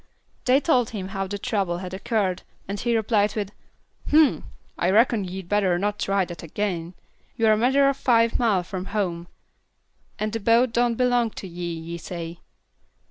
They told him how the trouble had occurred, and he replied with, "Humph! I reckon ye'd better not try that agin. You're a matter o' five mile from home, and the boat don't belong to ye, ye say.